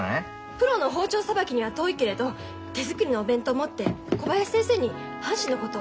プロの包丁さばきには遠いけれど手作りのお弁当持って小林先生に阪神のこと